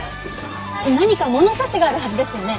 何か物差しがあるはずですよね。